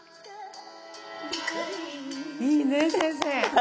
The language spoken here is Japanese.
いいねえ先生。